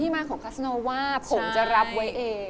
มาของคัสโนว่าผมจะรับไว้เอง